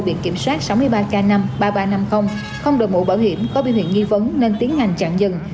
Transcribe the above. bị kiểm soát sáu mươi ba k năm ba nghìn ba trăm năm mươi không đồng hộ bảo hiểm có biên huyện nghi vấn nên tiến hành chặn dừng